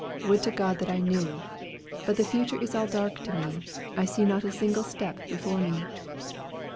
"Would to God that I knew! But the future is all dark to me. I see not a single step before me."